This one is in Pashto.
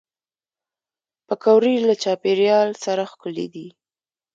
پکورې له چاپېریال سره ښکلي دي